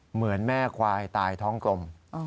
เหมือนแม่ควายตายท้องกลม